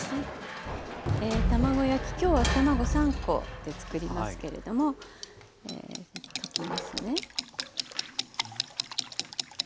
今日は卵３コで作りますけれども溶きますね。